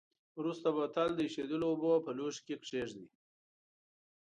وروسته بوتل د ایشېدلو اوبو په لوښي کې کیږدئ.